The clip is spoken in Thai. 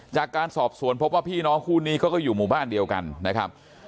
จากการสอบสวนพบว่าพี่น้องคู่นี้เขาก็อยู่หมู่บ้านเดียวกันนะครับ